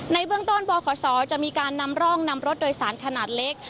ในเบื้องต้นบขศจะมีการนำร่องนำรถโดยสารขนาดเล็ก